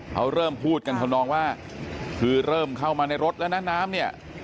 เขาเริ่มพูดกันทำนองว่าคือเริ่มเข้ามาในรถแล้วนะน้ำเนี่ย